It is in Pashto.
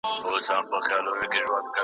سګرټ څکول زیان لري.